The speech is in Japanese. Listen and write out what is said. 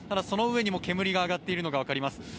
その上にも煙が上がっているのが分かります。